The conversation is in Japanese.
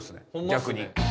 逆に。